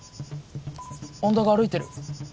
恩田が歩いてる！